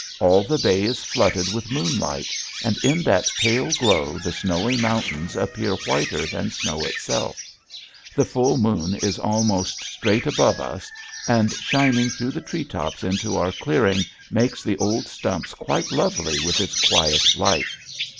All the bay is flooded with moonlight and in that pale glow the snowy mountains appear whiter than snow itself. The full moon is almost straight above us, and shining through the tree tops into our clearing makes the old stumps quite lovely with its quiet light.